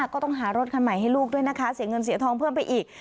ก็ต้องหารถคันใหม่ให้ลูกด้วยนะคะเสียเงินเสียทองเพิ่มไปอีก